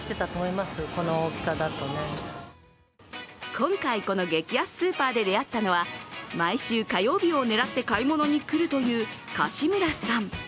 今回、この激安スーパーで出会ったのは、毎週火曜日を狙って買い物に来るという樫村さん。